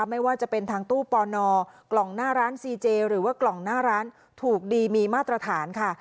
ไม่ว่าจะเป็นทางตู้ปอนอกล่องหน้าร้านซีเจหรือว่ากล่องหน้าร้านถูกดีมีมาตรฐานค่ะ